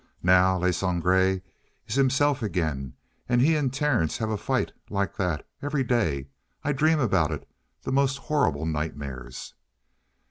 Now Le Sangre is himself again, and he and Terence have a fight like that every day. I dream about it; the most horrible nightmares!"